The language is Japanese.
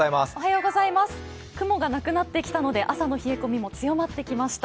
雲がなくなってきたので朝の冷え込みも強まってきました。